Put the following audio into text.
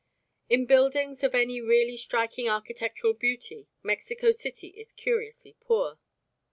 In buildings of any really striking architectural beauty Mexico City is curiously poor.